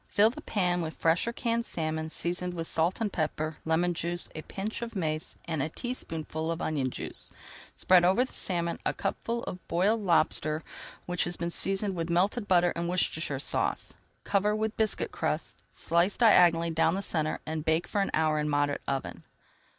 Fill the pan with fresh or canned salmon, seasoned with salt and pepper, lemon juice, a pinch of mace, and a teaspoonful of onion juice. Spread over the salmon a cupful of boiled lobster which has [Page 289] been seasoned with melted butter and Worcestershire Sauce. Cover with biscuit crust, slit diagonally down the centre, and bake for an hour in a moderate oven.